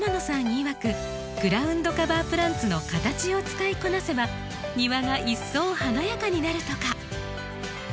いわくグラウンドカバープランツの形を使いこなせば庭が一層華やかになるとか。